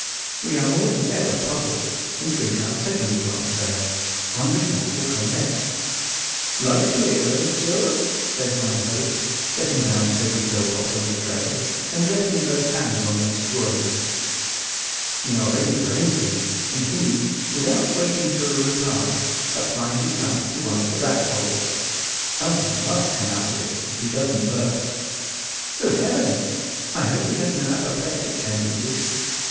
We are more than ever puzzled, and drink our second glass of ale, wondering what will come next. "Like to hear un, sir?" says mine host, setting down Toby Philpot on the tray, and resting both hands on the "Stwun." We are ready for anything; and he, without waiting for a reply, applies his mouth to one of the ratholes. Something must come of it, if he doesn't burst. Good heavens! I hope he has no apoplectic tendencies.